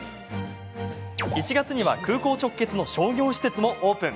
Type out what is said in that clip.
１月には空港直結の商業施設もオープン。